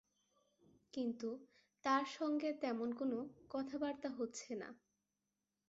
কিন্তু তার সঙ্গে তেমন কোনো কথাবার্তা হচ্ছে না।